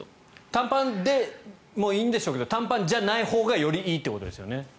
短パンでもいいんですけど短パンじゃないほうがよりいいということですよね。